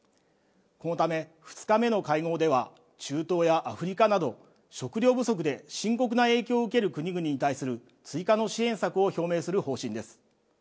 このため、２日目の会合では、中東やアフリカなど、食料不足で深刻な影響を受ける国々に対する追加の支援策を表明する方針です。